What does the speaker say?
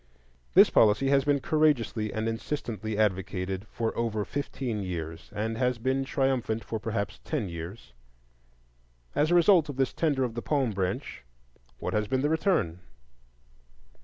This policy has been courageously and insistently advocated for over fifteen years, and has been triumphant for perhaps ten years. As a result of this tender of the palm branch, what has been the return?